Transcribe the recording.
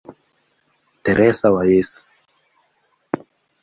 Teresa wa Yesu".